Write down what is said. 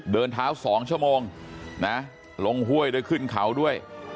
เดินเท้า๒ชั่วโมงนะลงห้วยด้วยขึ้นเขาด้วย